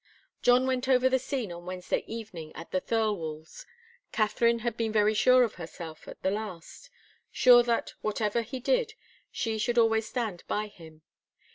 John went over the scene on Wednesday evening, at the Thirlwalls'. Katharine had been very sure of herself, at the last sure that, whatever he did, she should always stand by him.